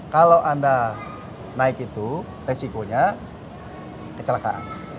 kalau anda naik itu resikonya kecelakaan